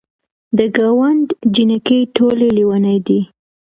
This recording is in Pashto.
د ګاونډ جینکۍ ټولې لیونۍ دي.